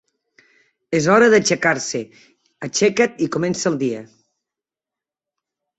És hora d'aixecar-se! Aixeca't i comença el dia!